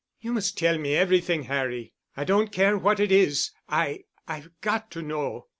"You must tell me everything, Harry. I don't care what it is—I—I've got to know.